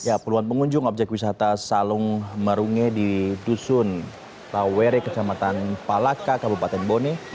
ya puluhan pengunjung objek wisata salung marunge di dusun lawere kecamatan palaka kabupaten bone